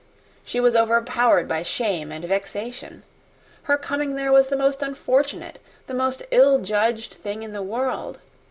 She was overpowered by shame and vexation. Her coming there was the most unfortunate, the most ill judged thing in the world!